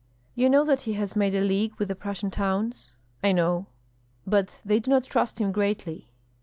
"You know that he has made a league with the Prussian towns?" "I know." "But they do not trust him greatly.